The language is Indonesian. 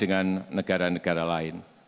dengan negara negara lain